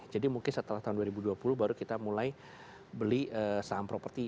jadi mungkin setelah tahun dua ribu dua puluh baru kita mulai beli saham properti